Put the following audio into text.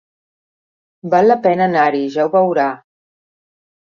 Val la pena anar-hi, ja ho veurà.